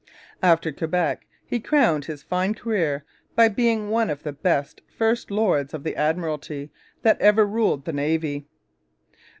After Quebec he crowned his fine career by being one of the best first lords of the Admiralty that ever ruled the Navy.